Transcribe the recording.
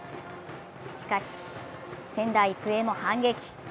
しかし、仙台育英も反撃。